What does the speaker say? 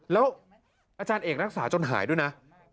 แล้วอาจารย์เอกรักษาจนหายด้วยนะ